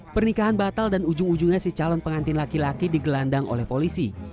pernikahan batal dan ujung ujungnya si calon pengantin laki laki digelandang oleh polisi